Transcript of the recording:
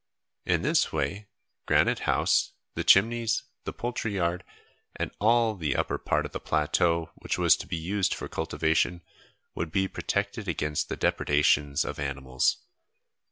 In this way, Granite House, the Chimneys, the poultry yard, and all the upper part of the plateau which was to be used for cultivation, would be protected against the depredations of animals.